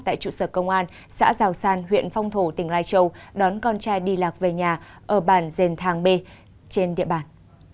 tại trụ sở công an xã giào sàn huyện phong thổ tỉnh lai châu đón con trai đi lạc về nhà ở bàn dền thang b trên địa bàn